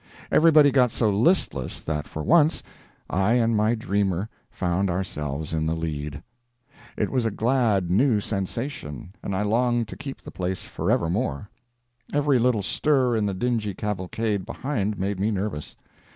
Everybody got so listless that for once I and my dreamer found ourselves in the lead. It was a glad, new sensation, and I longed to keep the place forevermore. Every little stir in the dingy cavalcade behind made me nervous.